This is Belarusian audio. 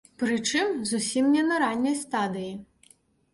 Прычым, зусім не на ранняй стадыі.